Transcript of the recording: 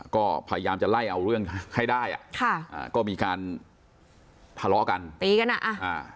ก็พยายามจะไล่เอาเรื่องให้ได้อ่ะค่ะอ่าก็มีการทะเลาะกันตีกันอ่ะอ่า